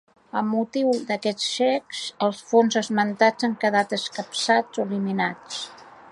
Amb motiu d’aquests xecs, els fons esmentats han quedat escapçats o eliminats.